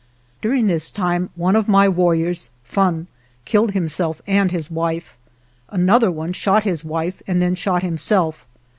During this time one of my warriors, Fun, killed himself and his wife. Another one shot his wife and then shot himself.